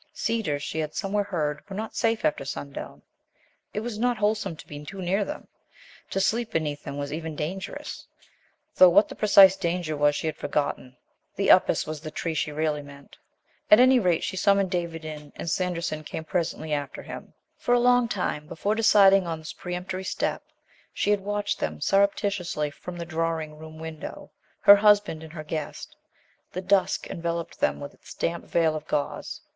Cedars, she had somewhere heard, were not safe after sundown; it was not wholesome to be too near them; to sleep beneath them was even dangerous, though what the precise danger was she had forgotten. The upas was the tree she really meant. At any rate she summoned David in, and Sanderson came presently after him. For a long time, before deciding on this peremptory step, she had watched them surreptitiously from the drawing room window her husband and her guest. The dusk enveloped them with its damp veil of gauze.